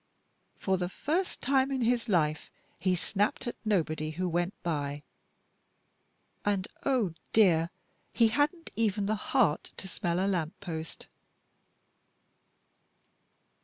For the first time in his life, he snapped at nobody who went by; and, oh, dear, he hadn't even the heart to smell a lamp post!"